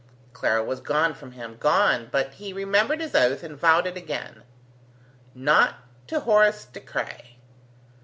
Clara was gone from him! Gone! but he remembered his oath and vowed it again: not to Horace de Craye!